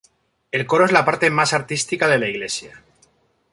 El coro es la parte más artística de la iglesia.